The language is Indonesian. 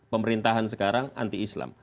pemerintahan sekarang anti islam